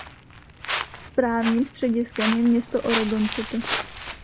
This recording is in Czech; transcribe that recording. Správním střediskem je město Oregon City.